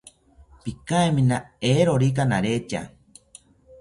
Pikaimina eerokika naretya